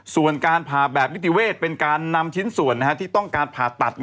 ส่วนการผ่าแบบนิติเวศเป็นการนำชิ้นส่วนที่ต้องการผ่าตัด